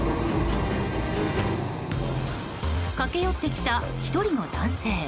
駆け寄ってきた１人の男性。